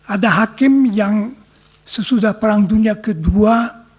ada hakim yang sesudah perang dunia kedua